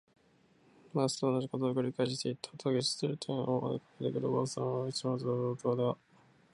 ます。」とおなじことを「くり返していた。」と記述している点を、追いかけてくる婆さんを一町ほど行っては